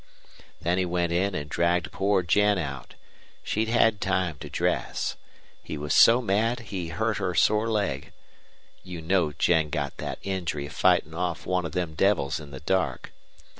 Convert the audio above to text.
"Then he went in an' dragged poor Jen out. She'd had time to dress. He was so mad he hurt her sore leg. You know Jen got thet injury fightin' off one of them devils in the dark.